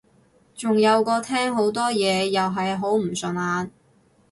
仲有個廳好多嘢又係好唔順眼